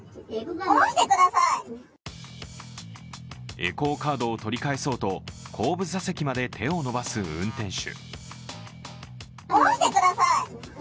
エコーカードを取り返そうと、後部座席まで手を伸ばす運転手。